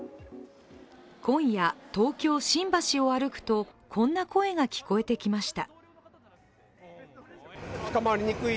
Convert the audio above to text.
今夜、東京・新橋を歩くとこんな声が聞こえてきました。